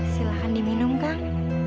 silakan diminum kang